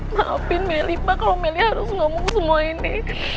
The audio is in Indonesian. maafin meli pak kalau meli harus ngomong semua ini